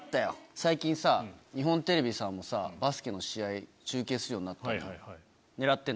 最近さ日本テレビさんもさバスケの試合中継するようになったのよ。